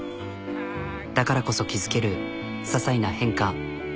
だからこそ気づけるささいな変化。